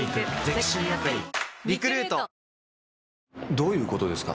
どういうことですか？